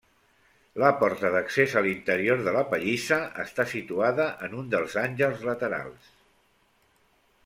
La porta d'accés a l'interior de la pallissa està situada en un dels àngels laterals.